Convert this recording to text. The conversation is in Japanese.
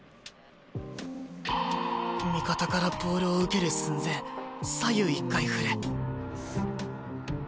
味方からボールを受ける寸前左右一回振る。